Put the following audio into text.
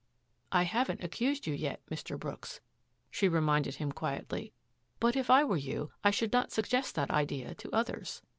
" I haven't accused you yet, Mr. Brooks," she reminded him quietly. " But if I were you I should not suggest that idea to others."